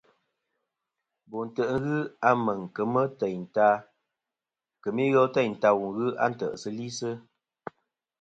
Bo ntè' ghɨ Meŋ kemɨ ighel teynta wu ghɨ a ntè'sɨlisɨ.